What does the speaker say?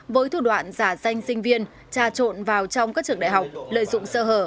với thủ đoạn giả danh sinh viên trà trộn vào trong các trường đại học lợi dụng sơ hở